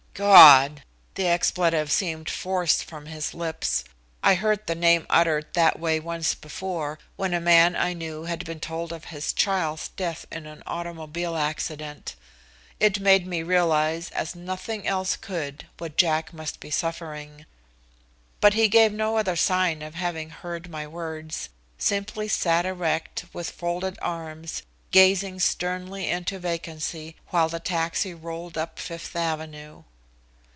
"God!" The expletive seemed forced from his lips. I heard the name uttered that way once before, when a man I knew had been told of his child's death in an automobile accident. It made me realize as nothing else could what Jack must be suffering. But he gave no other sign of having heard my words, simply sat erect, with folded arms, gazing sternly into vacancy, while the taxi rolled up Fifth avenue.